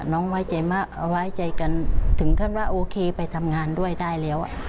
ไว้ใจมากเอาไว้ใจกันถึงขั้นว่าโอเคไปทำงานด้วยได้แล้ว